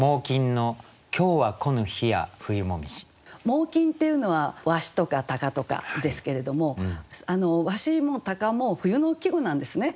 「猛禽」っていうのはワシとかタカとかですけれどもワシもタカも冬の季語なんですね。